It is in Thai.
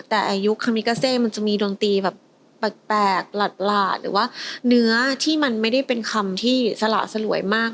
แต่ยุคคามิกาเซมันจะมีดนตรีแบบแปลกหลาดหรือว่าเนื้อที่มันไม่ได้เป็นคำที่สละสลวยมาก